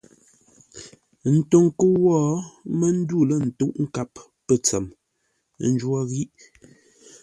Ə́ ntó ńkə́u wó mə́ ndû lə̂ ntə́uʼ nkâp pə̂ ntsəm; ə́ njwó ghíʼ.